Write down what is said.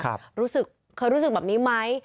เคยรู้สึกแบบนี้ไหม